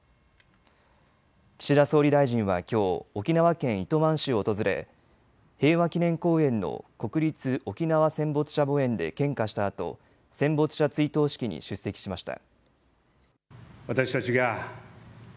岸田総理大臣はきょう沖縄県糸満市を訪れ平和祈念公園の国立沖縄戦没者墓苑で献花したあと戦没者追悼式に出席しました。